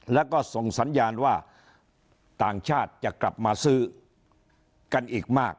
แล้วก็ส่งสัญญาณว่าต่างชาติจะกลับมาซื้อกันอีกมาก